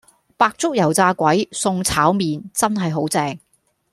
白粥油炸鬼送炒麵真係好正